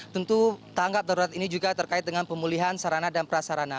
tentu tanggap darurat ini juga terkait dengan pemulihan sarana dan prasarana